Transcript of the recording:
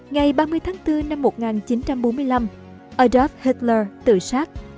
ngày ba mươi tháng bốn năm một nghìn chín trăm bốn mươi năm adolf hitler tự sát